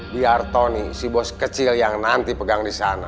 biar tony si bos kecil yang nanti pegang di sana